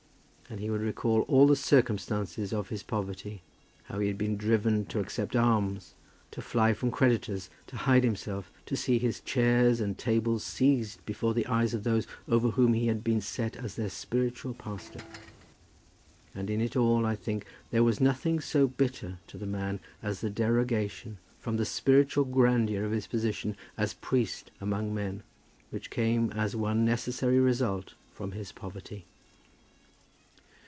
And he would recall all the circumstances of his poverty, how he had been driven to accept alms, to fly from creditors, to hide himself, to see his chairs and tables seized before the eyes of those over whom he had been set as their spiritual pastor. And in it all, I think, there was nothing so bitter to the man as the derogation from the spiritual grandeur of his position as priest among men, which came as one necessary result from his poverty.